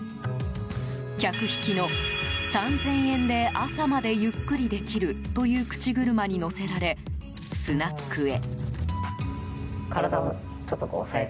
客引きの、３０００円で朝までゆっくりできるという口車に乗せられスナックへ。